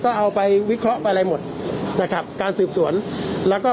ก็เอาไปวิเคราะห์ไปอะไรหมดนะครับการสืบสวนแล้วก็